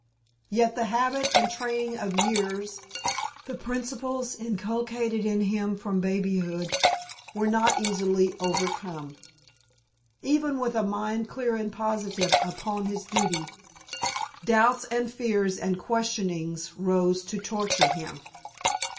Yet the habit and training of years, the principles inculcated in him from babyhood, were not easily overcome. Even with a mind clear and positive upon his duty doubts and fears and questionings rose to torture him.